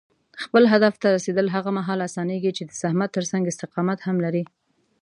خپل هدف ته رسېدل هغه مهال اسانېږي چې د زحمت ترڅنګ استقامت هم لرې.